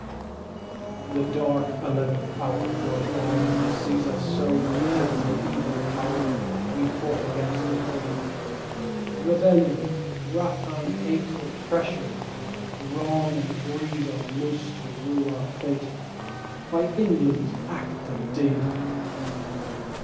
6.) The dark eleventh hour Draws on and sees us sold To every evil power We fought against of old. Rebellion, rapine hate Oppression, wrong and greed Are loosed to rule our fate, By England's act and deed.